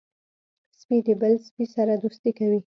سپي د بل سپي سره دوستي کوي.